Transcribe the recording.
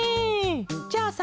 じゃあさ